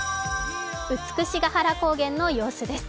美ヶ原高原の様子です。